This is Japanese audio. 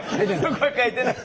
そこは書いてない。